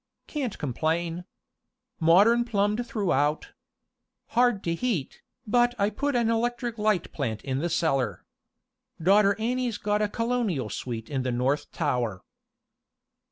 "Can't complain. Modern plumbed throughout. Hard to heat, but I put an electric light plant in the cellar. Daughter Annie's got a Colonial suite in the North Tower."